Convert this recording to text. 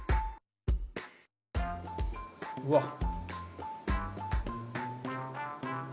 うわっ。